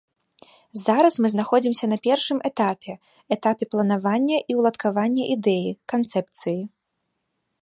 Зараз мы знаходзімся на першым этапе, этапе планавання і ўладкавання ідэі, канцэпцыі.